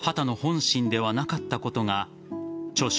実は、それが畑の本心ではなかったことが著書